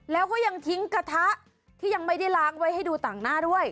แล้วก็ยังทิ้งกระทะที่ยังไม่ได้ล้างไว้ให้ดูต่างหน้าด้วย